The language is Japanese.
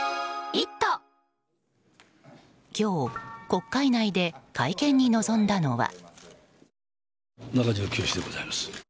今日、国会内で会見に臨んだのは。